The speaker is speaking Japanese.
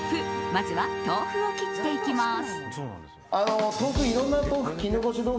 まずは豆腐を切っていきます。